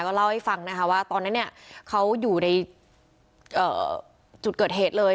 ก็เล่าให้ฟังนะคะว่าตอนนั้นเนี่ยเขาอยู่ในจุดเกิดเหตุเลย